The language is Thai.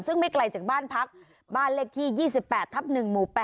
ซึ่งไม่ไกลจากบ้านพักบ้านเลขที่๒๘ทับ๑หมู่๘